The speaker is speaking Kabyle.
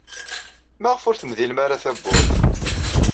Maɣef ur temdilem ara tawwurt?